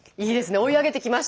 追い上げてきました。